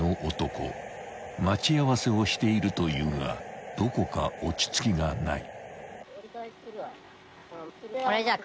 ［待ち合わせをしているというがどこか落ち着きがない］